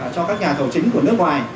cho các nhà thầu chính của nước ngoài